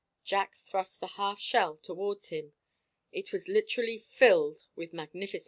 Jack thrust the half shell towards him. It was literally filled with magnificent pearls.